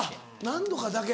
何度かだけ。